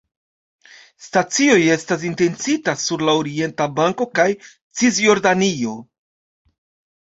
Stacioj estas intencita sur la Orienta Banko kaj Cisjordanio.